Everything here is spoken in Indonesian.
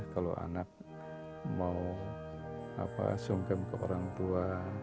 kalau anak mau sungkem ke orang tua